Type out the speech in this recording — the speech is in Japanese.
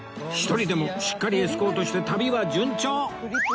一人でもしっかりエスコートして旅は順調！